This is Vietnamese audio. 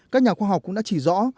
các nhà khoa học cũng đã chỉ rõ